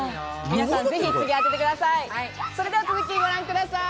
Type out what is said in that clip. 皆さんぜひ次当ててください。